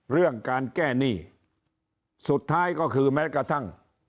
เรื่องการแก้หนี้สุดท้ายก็คือแม้กระทั่ง